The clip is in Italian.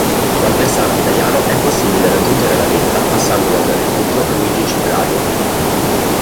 Dal versante italiano è possibile raggiungere la vetta passando dal rifugio Luigi Cibrario.